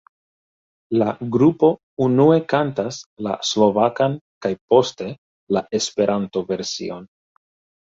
La grupo unue kantas la slovakan kaj poste la Esperanto-version.